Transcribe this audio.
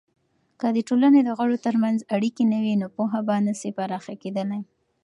که د ټولني دغړو ترمنځ اړیکې نه وي، نو پوهه به نسي پراخه کیدلی.